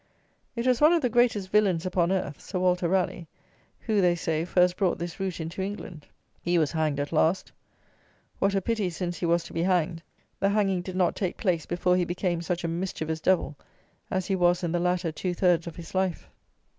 It was one of the greatest villains upon earth (Sir Walter Raleigh), who (they say) first brought this root into England. He was hanged at last! What a pity, since he was to be hanged, the hanging did not take place before he became such a mischievous devil as he was in the latter two thirds of his life!